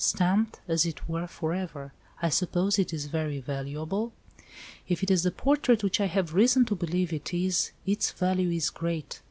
Stamped, as it were, for ever. I suppose it is very valuable?" "If it is the portrait which I have reason to believe it is its value is great.